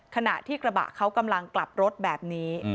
ขณะที่กระบะเขากำลังกลับรถแบบนี้